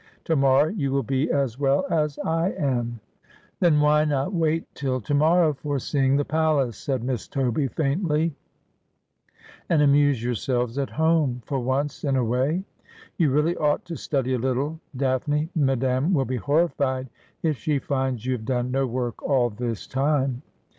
To morrow you will be as well as I am.' ' Then why not wait till to morrow for seeing the palace,' said Miss Toby faintly, ' and amuse yourselves at home, for once in a way ? You really ought to study a little. Daphne. Madanie will be horrified if she finds you have done no work all this time.'